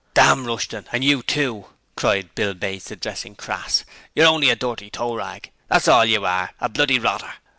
'Damn Rushton, and you too!' cried Bill Bates, addressing Crass. 'You're only a dirty toe rag! That's all you are a bloody rotter!